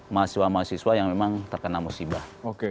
mahasiswa mahasiswa yang memang terkena musibah